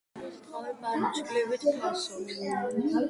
დათვის ტყავი ბანჯგვლით ფასობსო